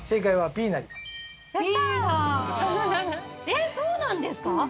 えっそうなんですか？